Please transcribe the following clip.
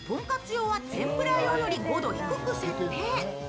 用は天ぷら用より５度低く設定。